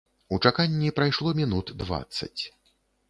У чаканні прайшло мінут дваццаць.